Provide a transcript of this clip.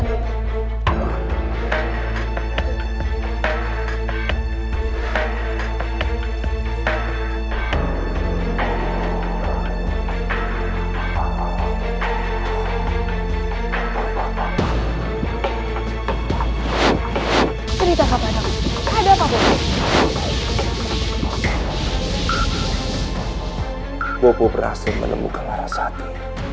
bobo tidak berhasil menemukan arasati